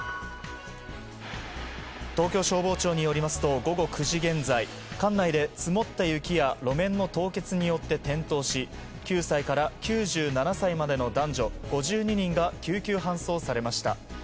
東京消防庁によりますと午後９時現在管内で、積もった雪や路面の凍結によって転倒し、９歳から９７歳までの男女５２人が救急搬送されました。